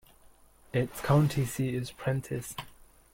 Its county seat is Prentiss.